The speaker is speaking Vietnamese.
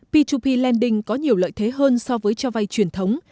p hai p lending có nhiều lợi thế hơn so với cho vay truyền thống